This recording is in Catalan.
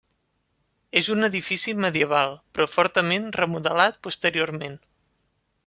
És un edifici medieval, però fortament remodelat posteriorment.